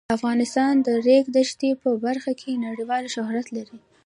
افغانستان د د ریګ دښتې په برخه کې نړیوال شهرت لري.